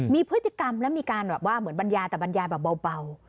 มีพฤติกรรมและมีการแบบว่าเหมือนบรรยาแต่บรรยาแบบเบา